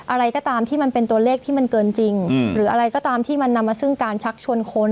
อะไรก็ตามที่มันเป็นตัวเลขที่มันเกินจริงหรืออะไรก็ตามที่มันนำมาซึ่งการชักชวนคน